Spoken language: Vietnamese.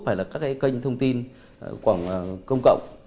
hoặc là các cái kênh thông tin công cộng